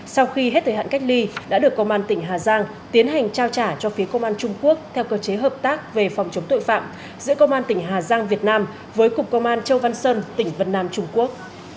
sau khi hết thời hạn cách ly đã được công an tỉnh hà giang tiến hành trao trả cho phía công an trung quốc theo cơ chế hợp tác về phòng chống tội phạm giữa công an tỉnh hà giang việt nam với cục công an châu văn sơn tỉnh vân nam trung quốc